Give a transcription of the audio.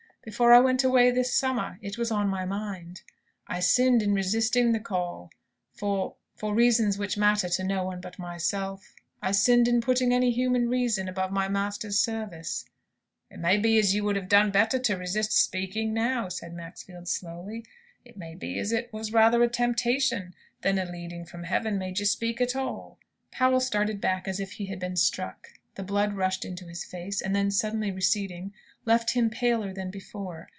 Before I went away this summer it was on my mind. I sinned in resisting the call, for for reasons which matter to no one but myself. I sinned in putting any human reasons above my Master's service." "It may be as you would have done better to resist speaking now," said Maxfield, slowly. "It may be as it was rather a temptation, than a leading from Heaven, made you speak at all." Powell started back as if he had been struck. The blood rushed into his face, and then, suddenly receding, left him paler than before.